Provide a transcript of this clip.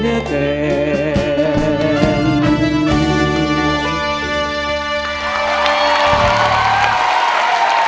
ชั้นแสบสั่นชายเหลือเจ้าหลายใจ